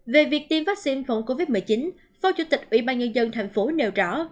về việc tiêm vaccine phòng covid một mươi chín phó chủ tịch ubnd tp nêu rõ